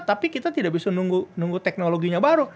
tapi kita tidak bisa nunggu teknologinya baru